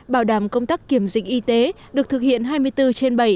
bảo đảm công tác kiểm dịch y tế được thực hiện hai mươi bốn trên bảy